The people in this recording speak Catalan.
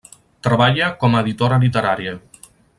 Treballa com a editora literària.